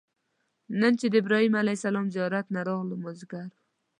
نن چې د ابراهیم علیه السلام زیارت نه راغلو مازیګر و.